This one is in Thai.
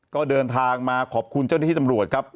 ก็เดินทางมาขอบคุณเจ้าหน้าที่ตำรวจครับ